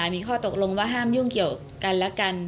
มีข้อตกลงว่าห้ามยุ่งเกี่ยวกันและกัน